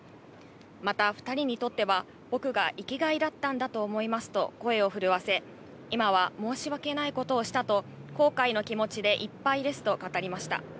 また２人にとっては、僕が生きがいだったんだと思いますと、声を震わせ、今は申し訳ないことをしたと後悔の気持ちでいっぱいですと語りました。